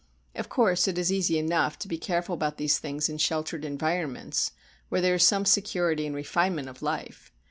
Of course it is easy enough to be careful about these things in sheltered environments, where there is some security and refinement of life.